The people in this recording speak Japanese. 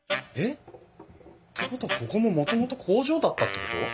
ってことはここももともと工場だったってこと！？